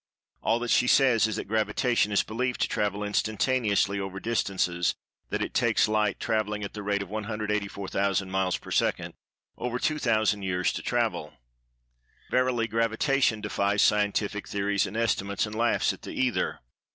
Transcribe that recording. All that she says is that Gravitation is believed to travel instantaneously over distances that it takes Light, travelling at the rate of 184,000 miles per second, over two thousand years to travel. Verily, Gravitation defies Scientific theories and estimates, and laughs at the "Ether."